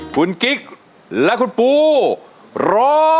คุณกิ๊กและคุณปูร้อง